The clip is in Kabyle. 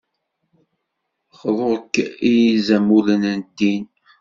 Xḍu-k I yizamulen n ddin.